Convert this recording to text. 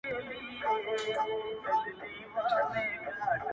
هغه چي تږې سي اوبه په پټو سترگو څيښي’